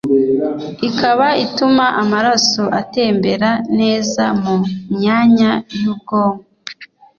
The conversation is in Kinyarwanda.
Ikaba ituma amaraso atembera neza mu myanya yubwonko